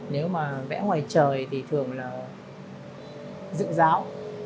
nếu mà vẽ ngoài trời thì thường là dự giáo